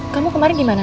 kamu kemarin gimana